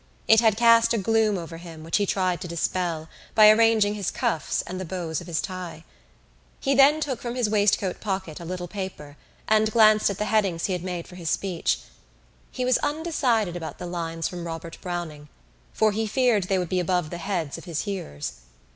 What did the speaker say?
It had cast a gloom over him which he tried to dispel by arranging his cuffs and the bows of his tie. He then took from his waistcoat pocket a little paper and glanced at the headings he had made for his speech. He was undecided about the lines from Robert Browning for he feared they would be above the heads of his hearers.